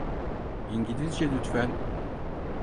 İngilizce lütfen.